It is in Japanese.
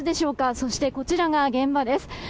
そして、こちらが現場です。